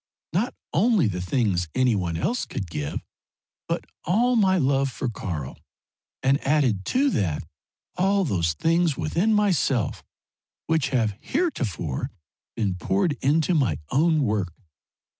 Not only the things any one else could give, but all my love for Karl, and added to that all those things within myself which have heretofore been poured into my own work.